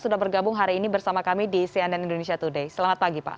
sudah bergabung hari ini bersama kami di cnn indonesia today selamat pagi pak